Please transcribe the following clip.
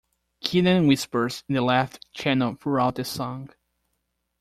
Keenan whispers in the left channel throughout the song.